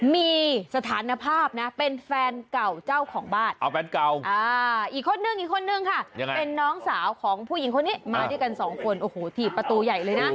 มีสถานภาพนะเป็นแฟนเก่าเจ้าของบ้านแฟนเก่าอีกคนนึงอีกคนนึงค่ะเป็นน้องสาวของผู้หญิงคนนี้มาด้วยกันสองคนโอ้โหถีบประตูใหญ่เลยนะ